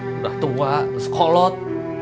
sudah tua sekolot